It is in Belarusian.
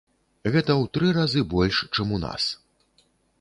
Гэта ў тры разы больш, чым у нас.